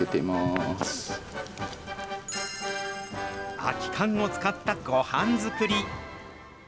空き缶を使ったごはん作り。